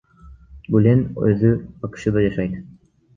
Гүлен өзү АКШда жашайт.